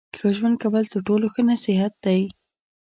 ښه ژوند کول تر ټولو ښه نصیحت دی.